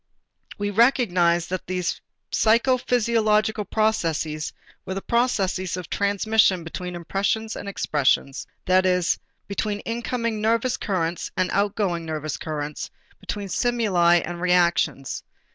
We recognized that these psychophysiological processes were processes of transmission between impressions and expressions, that is, between incoming nervous currents and outgoing nervous currents, between stimuli and reactions.